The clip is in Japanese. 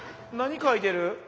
何書いてる？